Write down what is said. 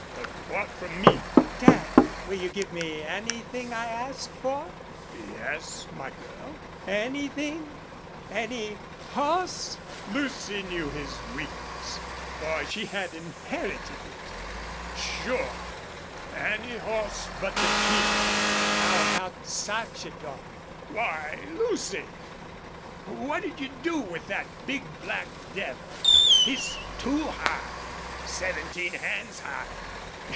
But what from me?" "Dad, will you give me anything I ask for?" "Yes, my girl." "Anything any HORSE?" Lucy knew his weakness, for she had inherited it. "Sure; any horse but the King." "How about Sarchedon?" "Why, Lucy, what'd you do with that big black devil? He's too high. Seventeen hands high!